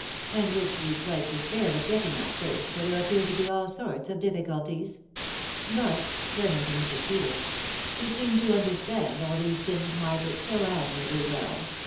and which we quite despaired of getting at first, for there appeared to be all sorts of difficulties. But," turning to> Mrs. Peters, " you seem to understand all these things, ajarw garet, so admirably well